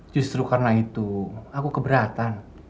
justru karena itu aku keberatan